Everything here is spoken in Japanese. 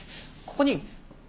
ここに。